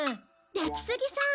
出木杉さん。